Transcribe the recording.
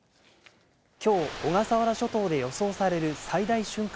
きょう小笠原諸島で予想される最大瞬間